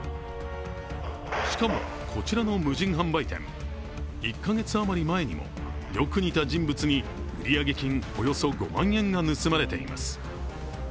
しかも、こちらの無人販売店１か月余り前にもよく似た人物に売上金およそ５万円が盗まれています。